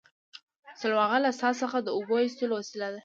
سلواغه له څا څخه د اوبو ایستلو وسیله ده